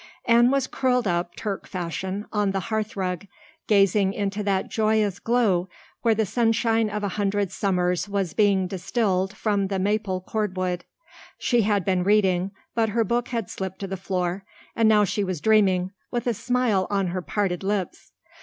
Anne was curled up Turk fashion on the hearthrug, gazing into that joyous glow where the sunshine of a hundred summers was being distilled from the maple cordwood. She had been reading, but her book had slipped to the floor, and now she was dreaming, with a smile on her parted lips.